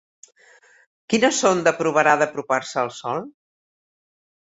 Quina sonda provarà d'apropar-se al sol?